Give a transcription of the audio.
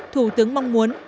thủ tướng mong muốn